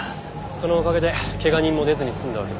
そのおかげで怪我人も出ずに済んだわけですか。